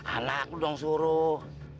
anak lu dong suruh